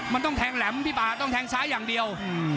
มันต้องแทงแหลมพี่ป่าต้องแทงซ้ายอย่างเดียว